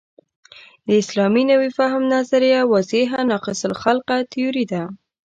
د اسلامي نوي فهم نظریه واضحاً ناقص الخلقه تیوري ده.